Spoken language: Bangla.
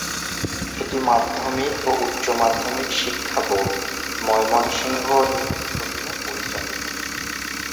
এটি মাধ্যমিক ও উচ্চ মাধ্যমিক শিক্ষা বোর্ড, ময়মনসিংহ এর অধীনে পরিচালিত।